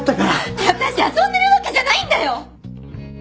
ねえあたし遊んでるわけじゃないんだよ！？